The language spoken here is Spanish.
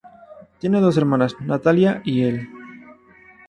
Tiene dos hermanas, Natalia y Elle.